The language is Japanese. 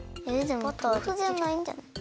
でもとうふじゃないんじゃない？